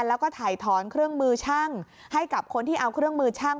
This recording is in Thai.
แล้วก็ถ่ายถอนเครื่องมือช่างให้กับคนที่เอาเครื่องมือช่าง